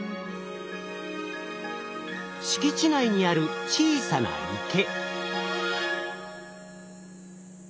敷地内にある小さな池。